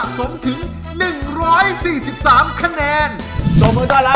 ขอบคุณค่ะ